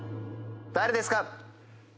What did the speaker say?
誰ですか？